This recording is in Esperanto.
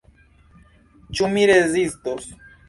Ĉu mi rezistos?